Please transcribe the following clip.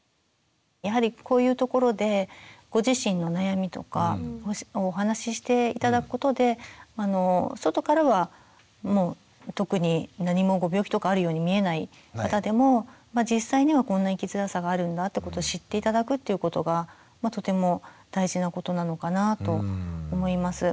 やはりこういうところでご自身の悩みとかお話しして頂くことで外からはもう特に何もご病気とかあるように見えない方でも実際にはこんな生きづらさがあるんだってことを知って頂くっていうことがとても大事なことなのかなと思います。